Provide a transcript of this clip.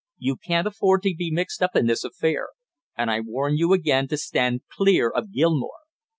You can't afford to be mixed up in this affair, and I warn you again to stand clear of Gilmore!